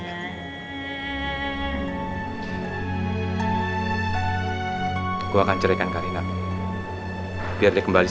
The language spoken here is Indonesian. aku sudah selesai